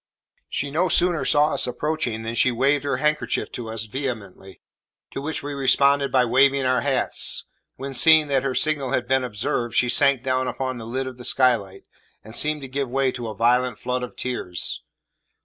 She no sooner saw us approaching than she waved her handkerchief to us vehemently, to which we responded by waving our hats; when, seeing that her signal had been observed, she sank down upon the lid of the skylight, and seemed to give way to a violent flood of tears.